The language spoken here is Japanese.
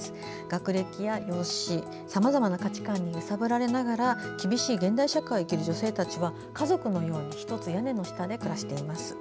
学歴や容姿、さまざまな価値観に揺さぶられながら厳しい現代社会を生きる女性たちは家族のように１つ屋根の下で暮らしています。